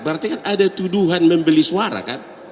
berarti kan ada tuduhan membeli suara kan